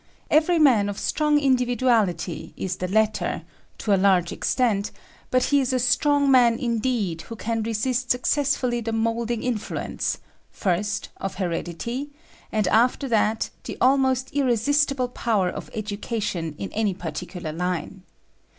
Every man of strong individuality is / i . Original from UNIVERSITY OF WISCONSIN flMrage. 201 the latter, to a large extent, but he is a strong man indeed who can resist successfully the molding influence, first, of heredity, and after that the almost irresistible power of education in any particular line.